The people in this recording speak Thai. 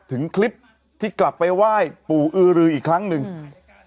ถึงคลิปที่กลับไปไหว้ปู่อือรืออีกครั้งหนึ่งอืม